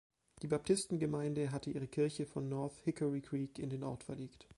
Die Baptistengemeinde hatte ihre Kirche von North Hickory Creek in den Ort verlegt.